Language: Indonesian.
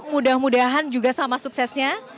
mudah mudahan juga sama suksesnya